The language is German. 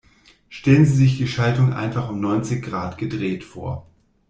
Stellen Sie sich die Schaltung einfach um neunzig Grad gedreht vor.